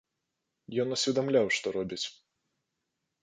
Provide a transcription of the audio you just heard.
Ён усведамляў, што робіць.